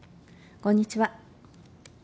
こんにちは。